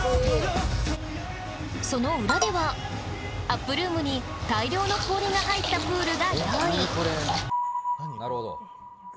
その裏ではアップルームに大量の氷が入ったプールが用意